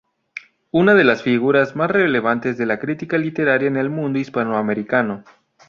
Una de las figuras más relevantes de la crítica literaria en el mundo hispanoamericano.